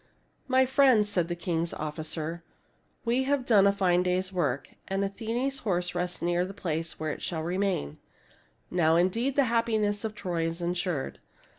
" My friends," said the king's officer, " we have 152 THIRTY MORE FAMOUS STORIES done a fine day's work, and Athene's horse rests near the place where it shall remain. Now, indeed, the happiness of Troy is insured.